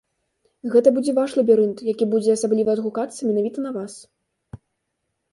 Гэта будзе ваш лабірынт, які будзе асабліва адгукацца менавіта на вас.